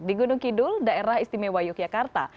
di gunung kidul daerah istimewa yogyakarta